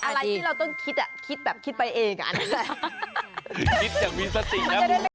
อะไรที่เราต้องคิดคิดไม่เอง